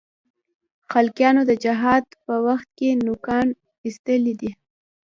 خلقیانو د جهاد په وخت کې نوکان اېستلي دي.